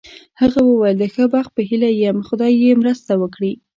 هغه وویل: د ښه بخت په هیله یې یم، خدای یې مرسته وکړي.